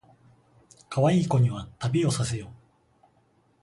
かわいい子には旅をさせよ